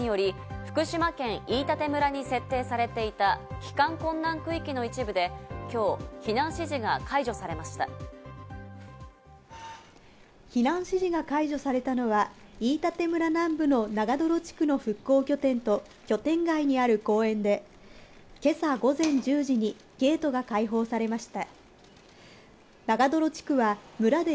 福島第一原発事故により福島県飯舘村に設定されていた期間困難区域の一部で今日、避難指示が解除されま避難指示が解除されたのは飯舘村南部の長泥地区の復興拠点と拠点外にある公園で、今朝午前１０時にゲートが解放されました。